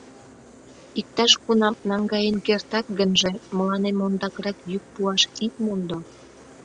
— Иктаж-кунам наҥгаен кертат гынже, мыланем ондакрак йӱк пуаш ит мондо.